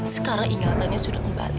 sekarang ingatannya sudah kembali